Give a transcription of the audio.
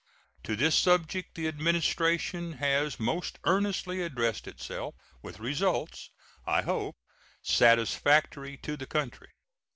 To this subject the Administration has most earnestly addressed itself, with results, I hope, satisfactory to the country.